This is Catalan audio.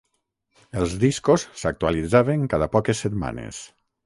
Els discos s'actualitzaven cada poques setmanes.